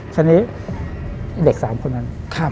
ทีนี้เด็ก๓คนนั้น